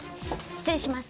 失礼します。